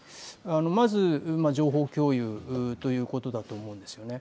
まず、情報共有ということだと思います。